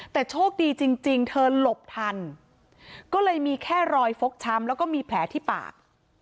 แต่โชคดีจริงเธอหลบทันก็เลยมีแค่รอยฟกช้ำแล้วก็มีแผลที่ปาก